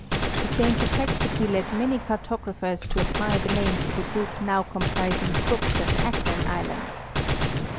The same perplexity led many cartographers to apply the name to the group now comprising Crooked and Acklin islands.